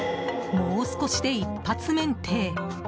もう少しで一発免停。